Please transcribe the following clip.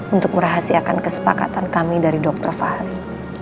untuk merahasiakan kesepakatan kami dari dr fahri